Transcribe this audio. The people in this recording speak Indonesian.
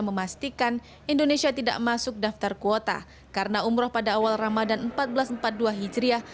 memastikan indonesia tidak masuk daftar kuota karena umroh pada awal ramadan seribu empat ratus empat puluh dua hijriah